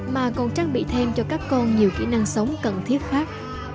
mà còn trang bị thêm cho các con nhiều kỹ năng sống cần thiết khác